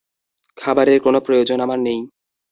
খাবারের কোন প্রয়োজন আমার নেই।